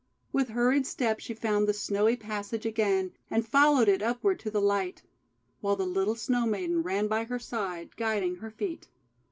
With hurried step she found the snowy passage again, and followed it upward to the light; while the little Snow Maiden ran by her side, guiding her feet.